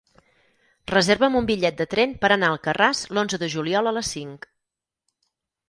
Reserva'm un bitllet de tren per anar a Alcarràs l'onze de juliol a les cinc.